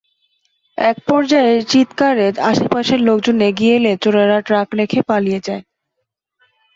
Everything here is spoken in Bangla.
একপর্যায়ে চিৎকারে আশপাশের লোকজন এগিয়ে এলে চোরেরা ট্রাক রেখে পালিয়ে যায়।